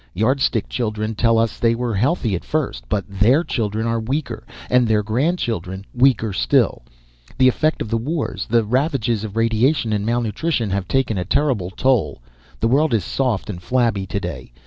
Yardstick children, they tell us, were healthy at first. But their children are weaker. And their grandchildren, weaker still. The effect of the wars, the ravages of radiation and malnutrition, have taken a terrible toll. The world is soft and flabby today.